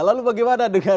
lalu bagaimana dengan